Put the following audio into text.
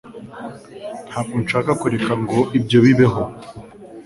Ntabwo nshaka kureka ngo ibyo bibeho.